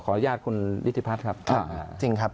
ขออนุญาตคุณฤทธิพัทรครับ